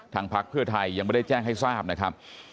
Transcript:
พักเพื่อไทยยังไม่ได้แจ้งให้ทราบนะครับ